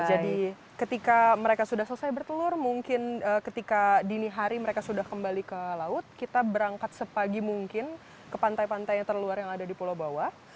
jadi ketika mereka sudah selesai bertelur mungkin ketika dini hari mereka sudah kembali ke laut kita berangkat sepagi mungkin ke pantai pantai yang terluar yang ada di pulau bawah